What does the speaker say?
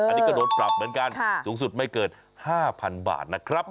อันนี้ก็โดนปรับเหมือนกันสูงสุดไม่เกิน๕๐๐๐บาทนะครับ